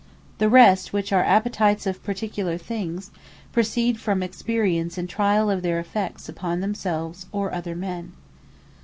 The rest, which are Appetites of particular things, proceed from Experience, and triall of their effects upon themselves, or other men.